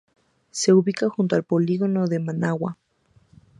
Se ubica junto al Polígono de Managua.